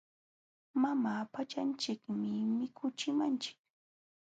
Mama pachanchikmi mikuchimanchik.